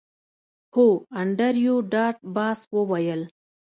هو انډریو ډاټ باس وویل